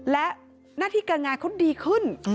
และหน้าที่การงานเขาดีขึ้น